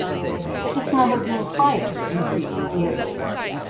This number being higher than the previous year.